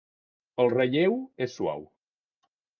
El relleu és suau.